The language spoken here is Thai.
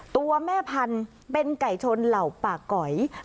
ตัวแม่พันธุ์เป็นไก่ชนเหล่าป่าก๋อย